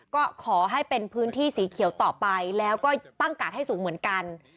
ก็ขอให้เป็นพื้นที่สีเขียวต่อไปแล้วก็ตั้งกาดให้สูงเหมือนกัน